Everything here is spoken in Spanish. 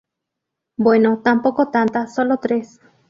bueno, tampoco tantas, solo tres.